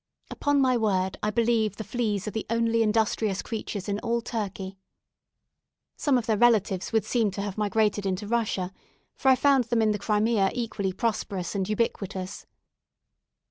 Upon my word, I believe the fleas are the only industrious creatures in all Turkey. Some of their relatives would seem to have migrated into Russia; for I found them in the Crimea equally prosperous and ubiquitous.